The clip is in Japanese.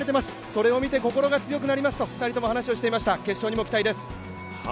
それを見て心が強くなりますと２人とも話をしていました。